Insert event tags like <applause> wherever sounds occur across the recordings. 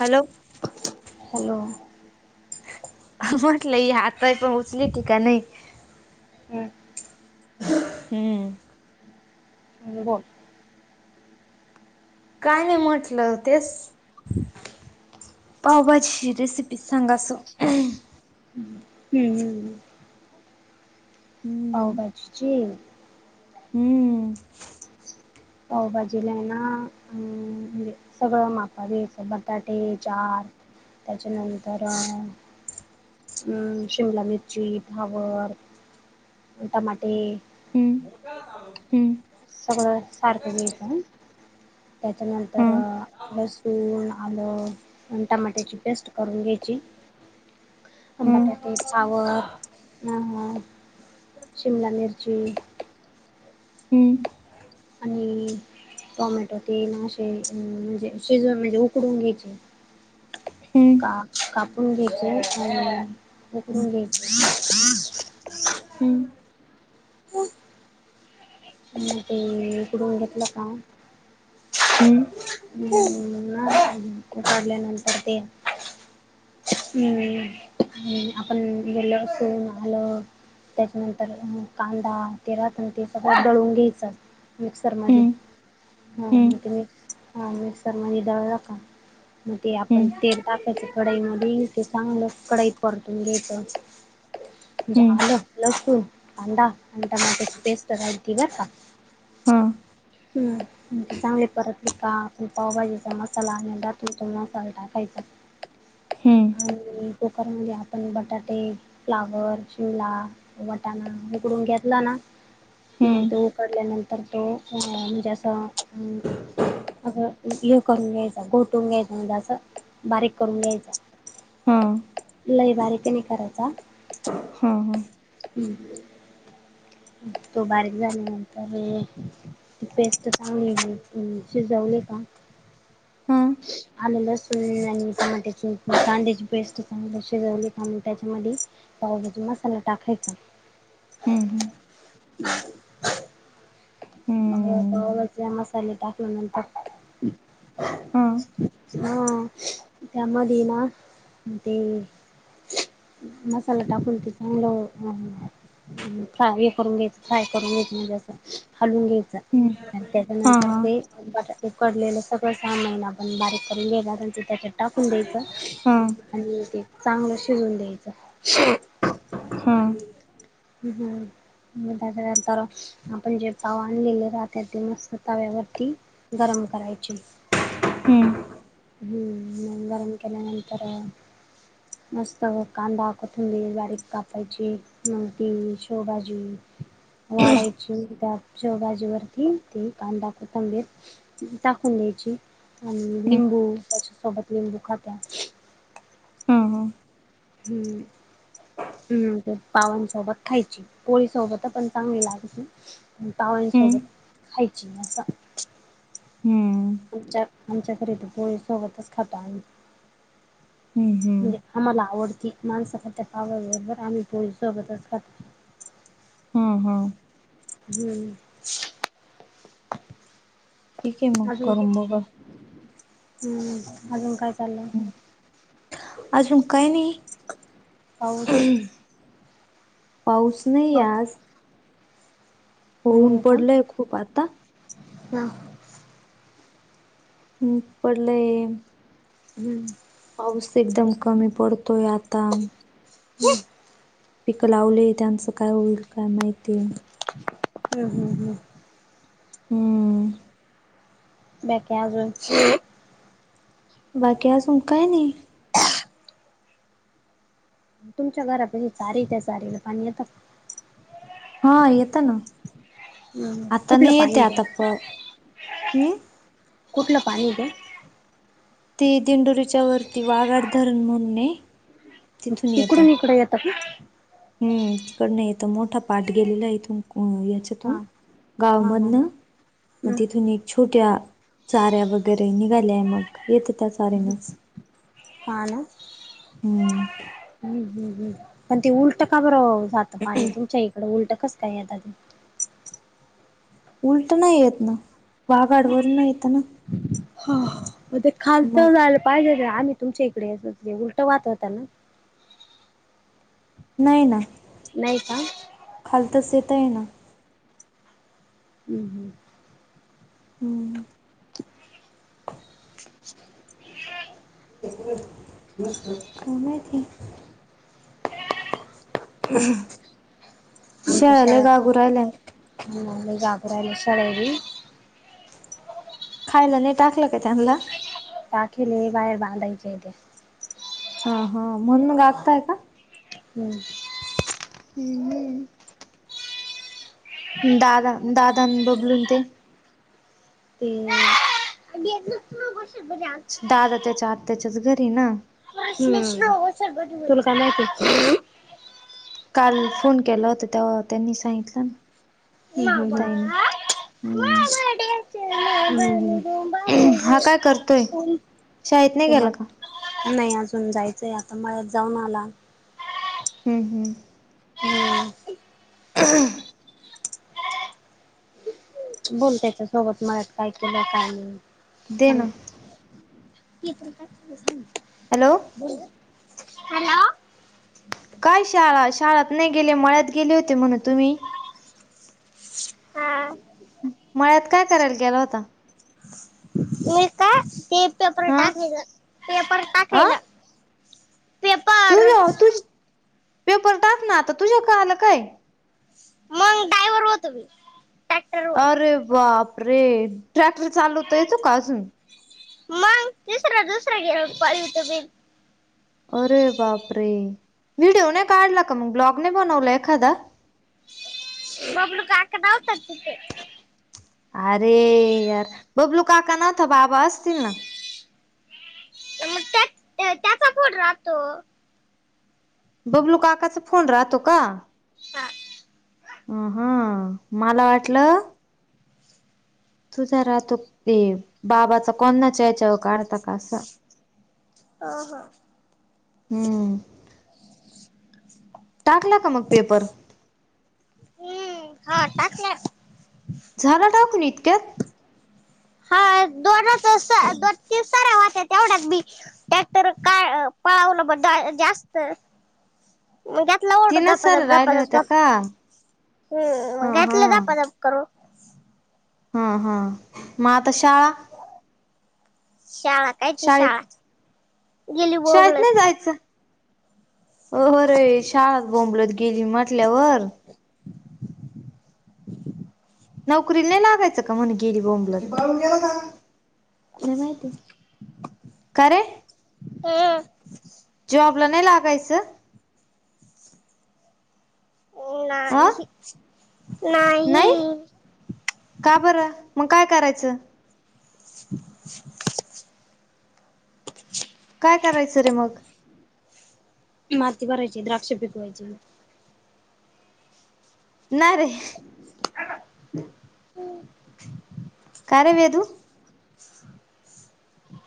Hello hello म्हटलंय हातय पोहचली ठठी का नाही हम्म हम्म बोल काय नाही म्हटलं तेच पावभाजी रेसिपी सांगा सो हम् हम्म हम् हम्म पावभाजीची हम्म पावभजीला आहेनाे सगळं मापावी असं बटाटे चार त्याच्यानंतर अम् शिमला मिरची भावर टमाटे हम्म हम्म सगळं सारखं घ्यायचं त्याच्यानंतर लसूण आलं आणि टमाट्याची पेस्ट करून घ्यायची बटाटे सावरवर अ शिमला मिर्ची हम् आणि टोमॅटो तेल असे म्हणजे शिज म्हणजे उकडून घ्यायचे हम्म का कापून घ्याच आणि हे करून घ्याच <unintelligible> <unintelligible> हम्म. <unintelligible> <unintelligible> त्याच्यानंतर कांदा <unintelligible> मिक्सरमध्ये हम्म <unintelligible> <unintelligible> हा हा हम्म हम्म हम्म हम्म हम्म हम्म हम्म हम्म <unintelligible> हा. हम्. <unintelligible> हम्म आपण बटाटे, फ्लावर, शिमला वटाना उकडून घेतला ना मग हम्म तो उकडल्यानंतर तो म्हणजे अस अग हे करून घ्यायच गोटून घ्यायचा म्हणजे असं बारीक करून घ्यायच हम्म्म. लय बारीक नाही करायचा. हम हम. हम्म. तो बारीक झाल्यानंतर <unintelligible> हम. आलं, लसून आणि टमाट्याची, कांद्याची पेस्ट चांगली शिजवली का त्याच्या मदी पाव भाजी मसाला टाकायच हम्म <inaudible> <unintelligible> हम्म मसाले टाकल्या नंतर हम. हा त्यामदेना ते मसाला टाकन ते चांगल <unintelligible> फ्राय करून घ्यायचं म्हणजे असं हालून घ्यायचं हम्म आणि हा त्याच्यानंतर हा ते बटाटे उकडलेलं सगळं <unintelligible> पण बारीक करून घ्याला ते त्याच्यात टाकून द्यायच. हा आणि ते चांगलं शिजवून द्यायच. हम. <unintelligible> <unintelligible> गरम करायची. हम्म. हम्म. गरम केल्यानंतर मस्त कांदा, कोथिंबिर बारीक कापायची. ती शोवभाजी वाढायची त्यात शेव भाजी वरती ते कांदा, कोथिंबिर टाकून द्यायची आणि हम्म लिंबू त्याच्या सोबत लिंबू <unintelligible> हा हा. हम्म हम्. पावांसोबत खायची पोळी सोबत पण चांगली लागते. हम्म हम्म वळीसोबत खायची अस हम्म आच्या आमच्या <unintelligible> हम् हम. म्हणजे आम्हाला आवडती माणस त्या पा बरोबर आम्ही पण सोबतच हम्म हम्म. हम्म. ठीक आहे मग अजून करून बघा हम्म अजून काय चाललंय. अजून काही पाऊस नाही. पाऊस नाही ये होय आज. नाही ऊन आहे पडलंय का खूप आता. <unintelligible> ऊन पडलंय. हम्म. पाऊस एकदम कमी पडतोय आता. <unintelligible> पिकं लावले त्यांचं काय होईल काय माहिती. हम्म हम्म हम्म. हम्म. <unintelligible> बाकी आजुन काय नाही. तुमच्या घराप सारी त्या सारीला पाणी येतं. हा येत ना आता कुठलं नाही येते पाणी ते? आता प हम्म. कुठलं पाणी ये ते. ते दिंडोरीच्या वरती वाघाड धरण म्हणुणे तकडून मी इकडे येत का. हम्म तिकड नाहीेत मोठा पाठ गेलेला आहे इथून या इथून हा हा हा गावामधनं हम्म म तिथून ये छोट्या चाऱ्या वगैरे निघाल्याय मग इथ त्याच <unintelligible> हा ना हम्म. हम्म हम्म हम्म पण ते उलट का बरं जातं पाणी तुमच्या इकडं उलट काच काय आता. उलट नाही येत ना वाघाडवरून नाही येत ना. ह ते खालत मग जायला पाहिजे आम्ही तुमच्या इकडे उलट वाहत होत्या ना. नाही ना. नाही का. खाल तस येत आहे ना. हम्म हम्म. हम्म. <inaudible> <unintelligible> आमच्या शळाला शाळा खूप गागुरयला ये. <unintelligible> खायला नाही टाकलं काय त्यांना. पाखेले बाहेर बांधायचे ते. हा हा म्हणून गागताय का. हम्म. हम्म हम्म. दादा दादा न बबलून ते. ते <unintelligible> <unintelligible> दादा त्याच्या आत्याच्याच घरी ये ना. हम्म तुला काय माहिती. काल फोन केला होता तेव्हा त्यांनी सांगितलं ना. ताईनी हम्म <inaudible> हा, काय करतोय शाळेत नाही तुम्हा गेला का? नाही अजून जायचय, आता मळ्यात जाऊन आला. हम्म हम्म, हम्म, बोल त्याच्या सोबत मलात काय केलं काय दे नाही. ना ते पण का <unintelligible> हॅलो! <unintelligible> काय शाळा शाळात नाही गेले, मळ्यात गेले होते म्हणून तुम्ही? <unintelligible> मळ्यात काय करायला गेला होता? हा अ <unintelligible> पेपर तुझ्या तुझ पेपर टाक ना, आता तुझ्या व आलं काय? <unintelligible> ट्रॅक्टर वर अरे, बापरे! ट्रॅक्टर चालवता येतो का अजून? <unintelligible> अरे, बापरे व्हिडिओ नाही काढला का, मग ब्लॉग नाही बनवला एखादा. <unintelligible> अरे, यार बबलु काका नव्हता बाबा असतील ना. <unintelligible> बबलू काकाचा फोन राहतो का? ह <unintelligible> अ हा मला वाटलं. तुझ राहतो ते, बाबाचा कोणा चचाव काढता का असं. अं, हा. हम्म टाकला का मग पेपर? हम्म हा टाकला ना. झालं टाकूून इतक्यात. हा दोनच अस. ह <inaudible> ते सरा वास ये, तेवढ्याच बी त्या तरर का पाळावलं ब जास्त. मंग घातल ओढून तीनच सर राहिल्या धापाधप-धपाधप होत्या का हम्मं ह मंग ह घातलं धपाधप. करो. हा, हा, म आता शाळां? शाळां कायंची शाळां. शाळेंत नाहीं जायचं, हो रे शाळांत बोंबलत गेली म्हंटल्यावर. नोकरीला नाहीं लागायचं कां म्हंण गेलीं बोंबलत. नाहीं माहिती आहे कां रे ह. जॉबला नाहीं लागायचं. अ नाही नाहीं-नाहीं. का बरं, मग काय करायचं? <inaudible> <unintelligible> काय करायचं रे मग माती भरायची द्राक्ष पिकवायची नाय रे. <unintelligible> का रे वेदु?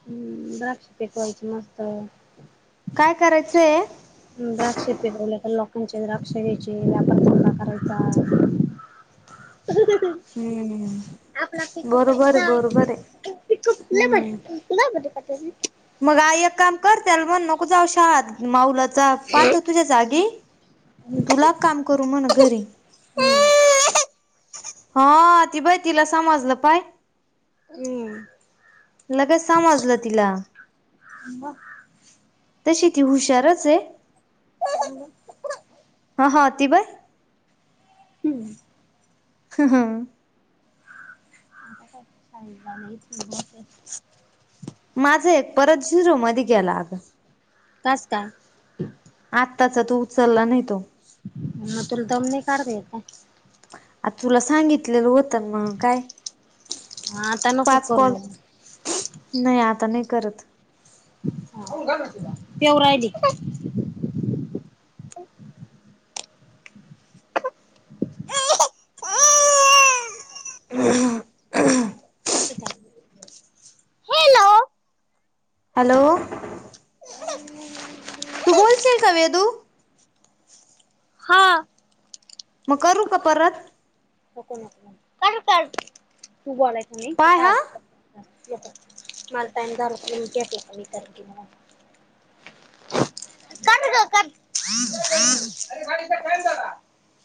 हम द्राक्ष पीकवांयच मस्तं कायं करायचंय हंय द्राक्ष पिकवल्यां तरं लोकांचें द्राक्षे घ्यांयचे व्यापार धंदा करायचां आपला पिक हम्म कां <unintelligible> बरोबर आहे वा बरोबर आहे खूु मुला पा <unintelligible> मंग आई एक कामं कर त्यांला मंण नको जाऊं शाळांत माऊलाचा पाठव तुझ्यां जागी तुला कामं करूं म्हंण घरी. हा ती पांय तीला समजलं पांय लगेच समजलं तिला. ह. तशी ती हुशारंच आहे हा हा ति बघं. हम्मं. हम हम का ग ठीक आहे ते <unintelligible> माझं एक परंत झिरो मध्यें गेला अगं पांस्ता आत्ताचा तू उचललां नाहीं तो म तुला दंम नाहीं काडतां येतं आता तुला सांगितलेलं होतं मंग कायं आता नको पांच कॉल करू नाहीं आता नाहीं करतं पिंव राहिली <unintelligible> ह <unintelligible> हो <unintelligible> हॅलो हॅलो बोलशीलं कां वेंदू हां मंग करूं कां परंत क कार कार तू बलाय त नाही त पाय स हा <unintelligible> मला टाईम झाला की करते <unintelligible> करं करं कां <unintelligible> हम्मं हम्मं कायंम झाला <unintelligible>